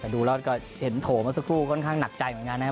ดูแล้วก็เห็นโถมาสักครู่ค่อนข้างหนักใจของการนะครับ